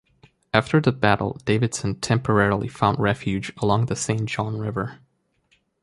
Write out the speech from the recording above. After the battle, Davidson temporarily found refuge along the Saint John River.